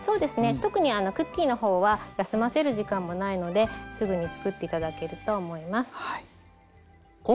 特にクッキーの方は休ませる時間もないのですぐにつくって頂けると思います。